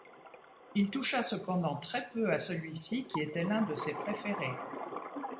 Il toucha cependant très peu à celui-ci qui était l’un de ses préférés.